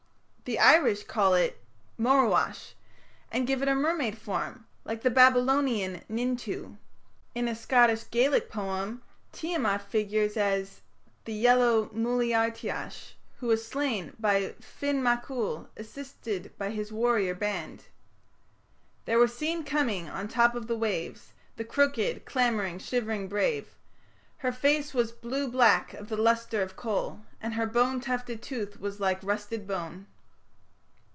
The Irish call it "morúach", and give it a mermaid form like the Babylonian Nintu. In a Scottish Gaelic poem Tiamat figures as "The Yellow Muilearteach", who is slain by Finn mac Coul, assisted by his warrior band. There was seen coming on the top of the waves The crooked, clamouring, shivering brave ... Her face was blue black of the lustre of coal, And her bone tufted tooth was like rusted bone.